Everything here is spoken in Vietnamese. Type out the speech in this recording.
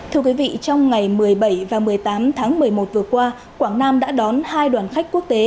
thưa quý vị trong ngày một mươi bảy và một mươi tám tháng một mươi một vừa qua quảng nam đã đón hai đoàn khách quốc tế